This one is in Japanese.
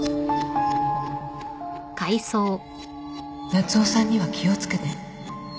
夏雄さんには気を付けて